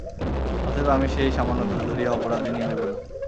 অতএব আমি সেই সামান্য দোষ ধরিয়া অপরাধিনী হইব না।